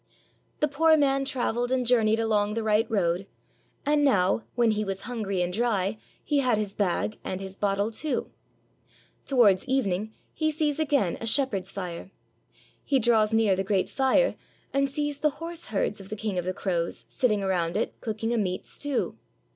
The poor man traveled and journeyed along the right road; and now, when he was hungry and dry, he had his bag, and his bottle too. Towards evening, he sees again 387 AUSTRIA HUNGARY a shepherd's fire. He draws near the great fire, and sees the horseherds of the King of the Crows sitting around it cooking a meat stew.